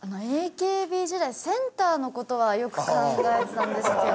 ＡＫＢ時代センターの事はよく考えてたんですけど。